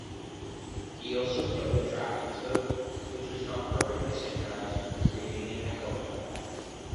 He also double-tracked his vocal, which was not perfectly synchronised, creating an echoing effect.